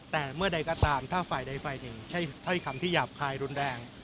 แต่เมื่อใดก็ตามถ้าฝ่ายใดฝ่ายหนึ่งใช้ถ้อยคำที่หยาบคายรุนแรง